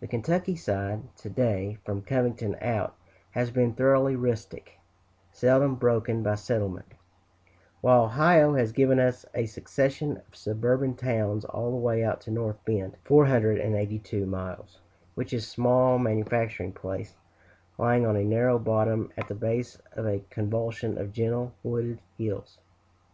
The Kentucky side, to day, from Covington out, has been thoroughly rustic, seldom broken by settlement; while Ohio has given us a succession of suburban towns all the way out to North Bend (482 miles), which is a small manufacturing place, lying on a narrow bottom at the base of a convolution of gentle, wooded hills.